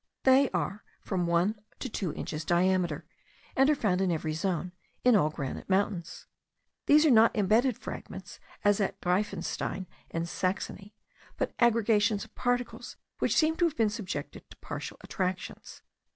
They are from one to two inches diameter; and are found in every zone, in all granite mountains. These are not imbedded fragments, as at Greiffenstein in Saxony, but aggregations of particles which seem to have been subjected to partial attractions.